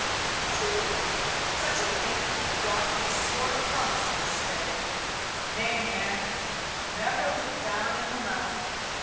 Truly such a thing hath brought thee sore thumps this day. Nay, man, never look down in the mouth.